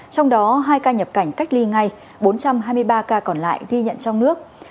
trong đó hai ca nhập cảnh cách ly ngay bốn trăm hai mươi ba ca còn lại ghi nhận trong nước